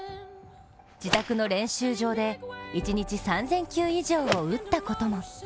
自宅の練習場で、一日３０００球以上を打ったことも。